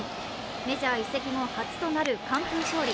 メジャー移籍後初となる完封勝利。